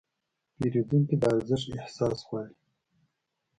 پیرودونکي د ارزښت احساس غواړي.